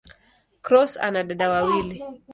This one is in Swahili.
Cross ana dada wawili.